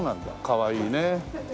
かわいいね。